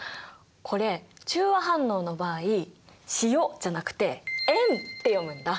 これ中和反応の場合「しお」じゃなくて「えん」って読むんだ。